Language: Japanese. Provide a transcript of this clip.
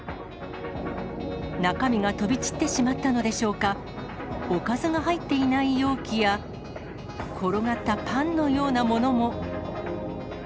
中身が飛び散ってしまったのでしょうか、おかずが入っていない容器や、転がったパンのようなものも。